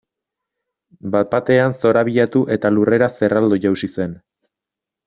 Bat batean zorabiatu eta lurrera zerraldo jausi zen.